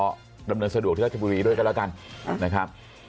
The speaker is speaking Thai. ท่านภูมิกับการสอบพอดำเนินสะดวกที่รัฐบุรีด้วยก็แล้วกันนะครับ